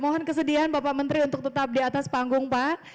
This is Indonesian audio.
mohon kesedihan bapak menteri untuk tetap di atas panggung pak